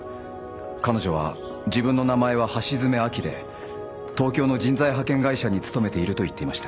彼女は自分の名前は橋爪亜希で東京の人材派遣会社に勤めていると言っていました。